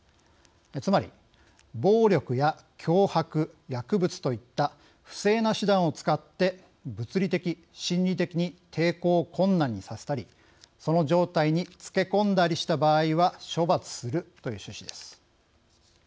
つまり暴力や脅迫薬物といった不正な手段を使って物理的心理的に抵抗を困難にさせたりその状態につけ込んだりした場合は処罰するという趣旨です。